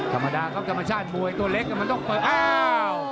ธรรมดาครับธรรมชาติมวยตัวเล็กมันต้องเปิดอ้าว